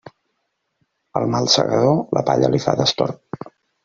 Al mal segador la palla li fa destorb.